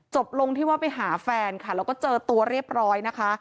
จบลงที่ว่าไปหาแฟนค่ะแล้วก็เจอตัวเรียบร้อยนะคะ